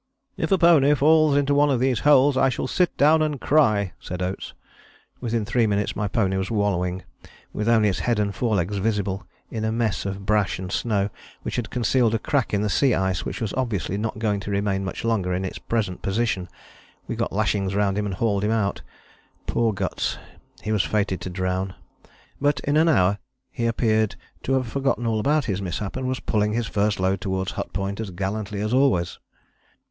"If a pony falls into one of these holes I shall sit down and cry," said Oates. Within three minutes my pony was wallowing, with only his head and forelegs visible, in a mess of brash and snow, which had concealed a crack in the sea ice which was obviously not going to remain much longer in its present position. We got lashings round him and hauled him out. Poor Guts! He was fated to drown: but in an hour he appeared to have forgotten all about his mishap, and was pulling his first load towards Hut Point as gallantly as always.